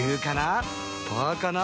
グーかな？